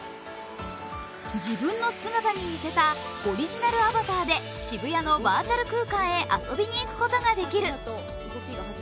自分の姿に似せたオリジナルアバターで渋谷のバーチャル空間へ遊びに行くことができる。